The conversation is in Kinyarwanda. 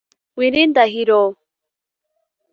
Willy Ndahiro